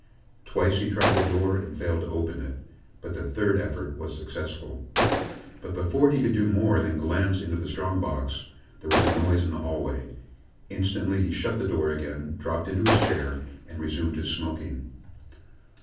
Twice he tried the door and failed to open it, but the third effort was successful. But before he could do more than glance into the strong box, there was a noise in the hallway. Instantly he shut the door again, dropped into his chair, and resumed his smoking.